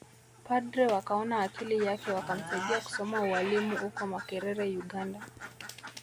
Mapadre wakaona akili yake wakamsaidia kusoma ualimu uko makerere ugand